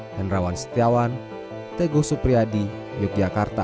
hendrawan setiawan teguh supriyadi yogyakarta